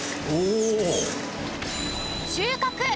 収穫！